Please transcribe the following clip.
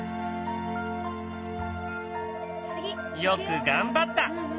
よく頑張った！